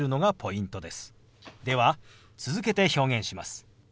では続けて表現します。